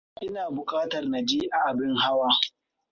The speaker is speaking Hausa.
Ina bukatar naje a abin hawa.